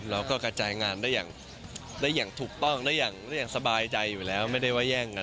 เราก็กระจายงานได้อย่างถูกต้องได้อย่างสบายใจอยู่แล้ว